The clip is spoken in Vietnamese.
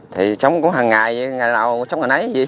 thì sống cũng hằng ngày ngày nào sống hằng nấy